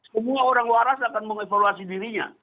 semua orang waras akan mengevaluasi dirinya